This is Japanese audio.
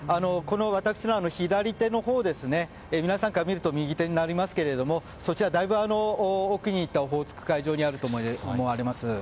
私の左のほう皆さんから見ると右のほうですがそちら、だいぶ奥に行ったオホーツク海上にあると思います。